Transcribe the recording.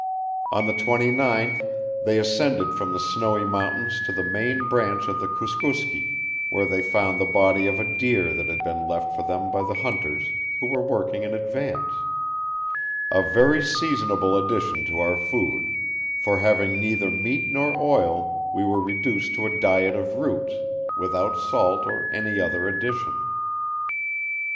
On the 29th they descended from the snowy mountains to the main branch of the Kooskooskee, where they found the body of a deer that had been left for them by the hunters, who were working in advance, "a very seasonable addition to our food; for having neither meat nor oil, we were reduced to a diet of roots, without salt or any other addition."